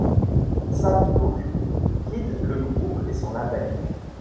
Sam Cooke quitte le groupe et son label.